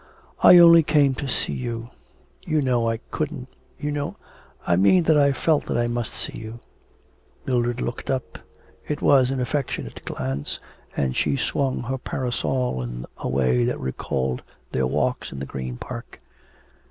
'I only came to see you. You know I couldn't you know I mean that I felt that I must see you.' Mildred looked up, it was an affectionate glance; and she swung her parasol in a way that recalled their walks in the Green Park.